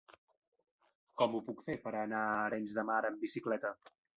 Com ho puc fer per anar a Arenys de Mar amb bicicleta?